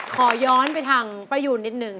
ขอย้อนไปทางป้ายูนนิดนึง